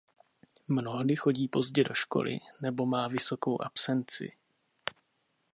Mnohdy chodí pozdě do školy nebo má vysokou absenci.